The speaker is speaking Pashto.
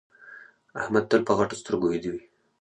احمد تل په غټو سترګو ويده وي.